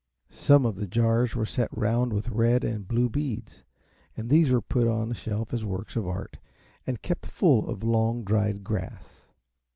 Some of the jars were set round with red and blue beads, and these were put on a shelf as works of art, and kept full of long dried grass.